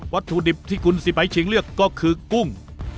ถุดิบที่คุณสิไปชิงเลือกก็คือกุ้ง